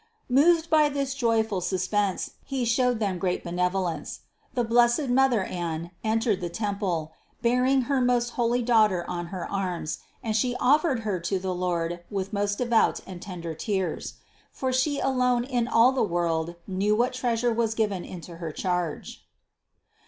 Moved by this joyful suspense he showed them great benevolence. The blessed mother Anne entered the temple, bearing her most holy Daugh ter on her arms, and She offered Her to the Lord with most devout and tender tears. For she alone in all the world knew what Treasure was given into her charge.